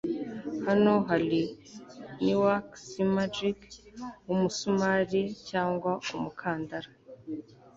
hano hari newark s magic yumusumari cyangwa umukandara